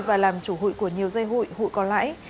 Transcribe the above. và làm chủ hụi của nhiều dây hụi hụi còn lại